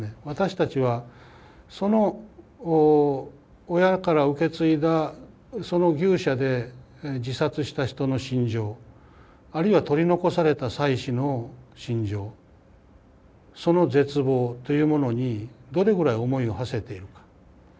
私たちは親から受け継いだその牛舎で自殺した人の心情あるいは取り残された妻子の心情その絶望というものにどれぐらい思いをはせているか。